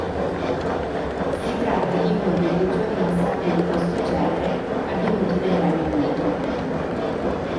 Si tratta di uno dei peggiori massacri di questo genere avvenuti nel Regno Unito.